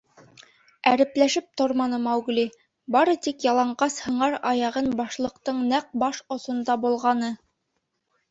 Әрепләшеп торманы Маугли, бары тик яланғас һыңар аяғын башлыҡтың нәҡ баш осонда болғаны.